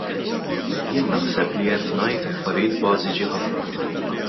Jien naħseb li qed ngħid affarijiet bażiċi ħafna.